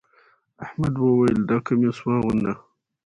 احمد وويل: دا کميس واغونده.